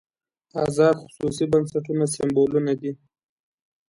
ازاد خصوصي بنسټونه سېمبولونه دي.